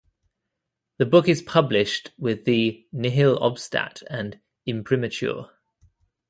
The book is published with the "nihil obstat" and "imprimatur".